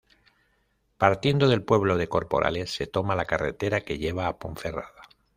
Partiendo del pueblo de Corporales, se toma la carretera que lleva a Ponferrada.